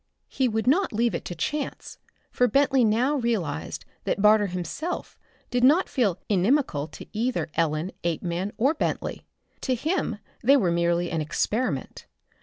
He would not leave it to chance, for Bentley now realized that Barter himself did not feel inimical to either Ellen, Apeman or Bentley. To him they were merely an experiment.